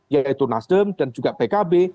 yaitu nasdem dan juga pkb